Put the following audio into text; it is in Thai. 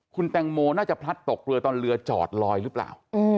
คุณแตงโมน่าจะพลัดตกเรือตอนเรือจอดลอยหรือเปล่า